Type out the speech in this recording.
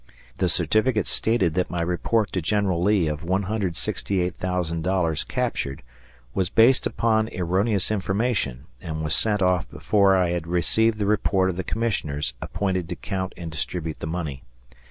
The certificate stated that my report to General Lee of $168,000 captured was based upon erroneous information and was sent off before I had received the report of the commissioners appointed to count and distribute the money.